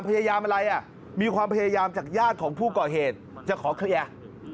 พยายามอะไรอ่ะมีความพยายามจากญาติของผู้ก่อเหตุจะขอเคลียร์